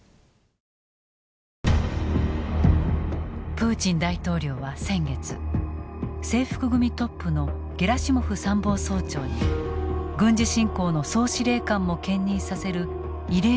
プーチン大統領は先月制服組トップのゲラシモフ参謀総長に軍事侵攻の総司令官も兼任させる異例の人事を断行。